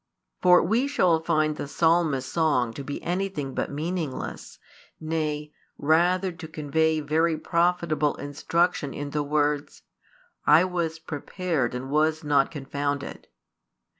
For we shall find the Psalmist's song to be anything but meaningless, nay, rather to convey very profitable instruction in the words: I was prepared and was not confounded.